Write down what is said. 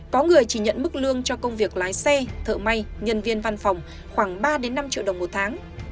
có người chỉ nhận mức lương cho công việc lái xe thợ may nhân viên văn phòng khoảng ba năm triệu đồng một tháng